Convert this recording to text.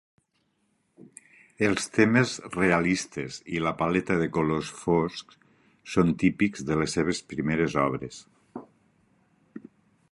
Els temes realistes i la paleta de colors foscs són típics de les seves primeres obres.